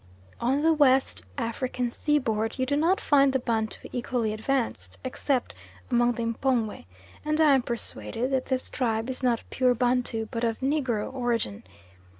On the West African seaboard you do not find the Bantu equally advanced, except among the M'pongwe, and I am persuaded that this tribe is not pure Bantu but of Negro origin.